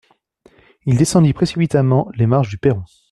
Il descendit précipitamment les marches du perron.